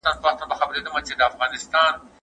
اکربکر مړي ښخول نه غوښتل.